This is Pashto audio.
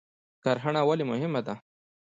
کرهڼه ولې مهمه ده؟